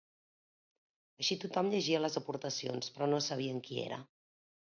Així tothom llegia les aportacions, però no sabien qui era.